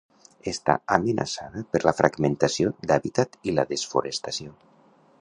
Està amenaçada per la fragmentació d'hàbitat i la desforestació.